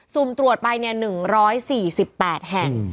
สูมตรวจไปเนี่ย๑๔๘แห่ง